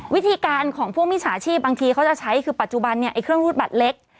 วิธีการของผู้มีชาชีพบางทีเขาจะใช้คือปัจจุบันเครื่องรูดบัตรเล็ก